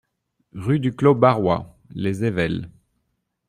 Rue du Clos Barrois, Les Ayvelles